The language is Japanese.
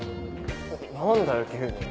何だよ急に。